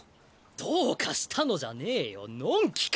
どうかしたのじゃねえよのんきか！